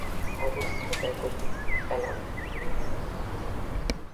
অবস্থা বেগতিক, অ্যালান।